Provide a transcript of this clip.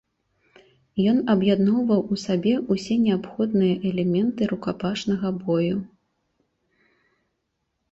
Ён аб'ядноўваў у сабе ўсе неабходныя элементы рукапашнага бою.